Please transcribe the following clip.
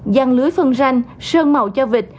giang lưới phân ranh sơn màu cho vịt